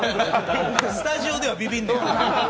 スタジオではビビんのや。